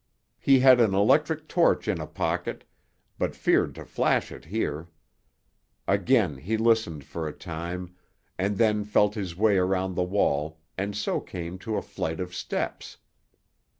He had an electric torch in a pocket, but feared to flash it here. Again he listened for a time, and then felt his way around the wall, and so came to a flight of steps.